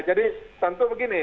jadi tentu begini